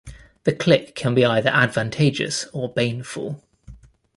To click can be either advantageous or baneful.